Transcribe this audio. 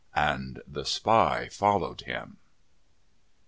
And the spy followed him.